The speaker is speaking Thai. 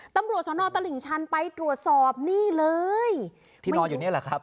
ตำรวจสนตลิ่งชันไปตรวจสอบนี่เลยที่นอนอยู่นี่แหละครับ